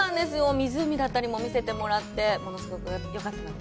湖だったりも見せてもらって、物すごくよかったです。